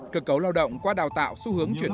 cơ cấu lao động qua đào tạo xu hướng chuyển